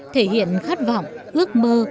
thể hiện khát vọng ước mơ